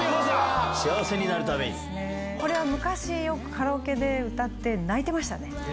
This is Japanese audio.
これは昔、よくカラオケで歌って、泣いてましたね。